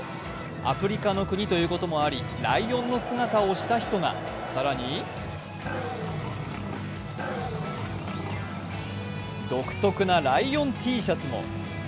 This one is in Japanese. アフリカの国ということもありライオンの姿をした人が、更に独特なライオンＴシャツも。